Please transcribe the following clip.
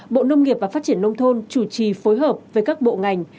bộ nông nghiệp và phát triển nông thôn chủ trì phối hợp với các bộ ngành